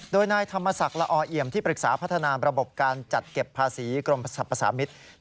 โดยนายธรรมศักดิ์ละอเอี่ยมที่ปรึกษาพัฒนาระบบการจัดเก็บภาษีกรมสรรพสามิตร